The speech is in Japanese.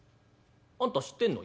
あんた知ってんの？」。